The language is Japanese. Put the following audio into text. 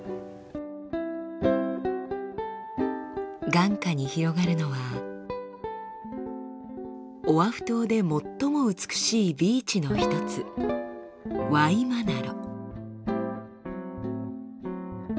眼下に広がるのはオアフ島で最も美しいビーチの一つワイマナロ。